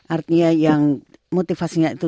artinya yang motivasinya itu